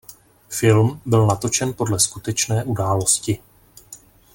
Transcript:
Film byl natočen podle skutečné události.